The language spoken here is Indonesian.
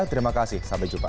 terima kasih sampai jumpa